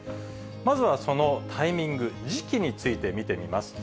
まずは、そのタイミング、時期について見てみます。